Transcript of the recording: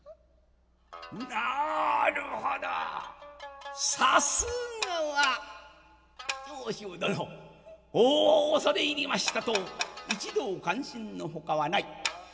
「なるほどさすがは長州殿恐れ入りました」と一同感心のほかはない。